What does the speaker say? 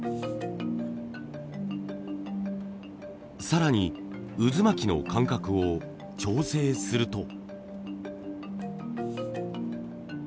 更に渦巻きの間隔を調整すると。